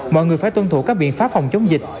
mọi người phải tuân thủ các biện pháp phòng chống dịch